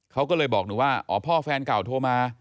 เขาก็เลยบอกหนูว่าอ๋อพ่อแฟนเก่าโทรมา